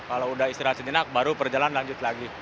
kalau udah istirahat sejenak baru perjalanan lanjut lagi